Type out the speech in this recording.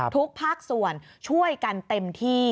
ทุกภาคส่วนช่วยกันเต็มที่